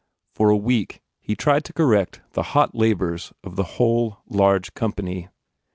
For a week he tried to correct the hot labours of the whole, large company.